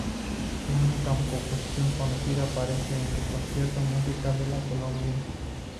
Su única composición conocida aparece en el Cancionero Musical de la Colombina.